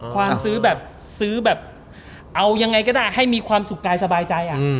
ความซื้อแบบซื้อแบบเอายังไงก็ได้ให้มีความสุขกายสบายใจ